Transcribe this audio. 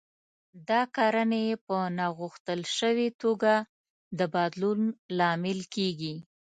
دا کړنې يې په ناغوښتل شوې توګه د بدلون لامل کېږي.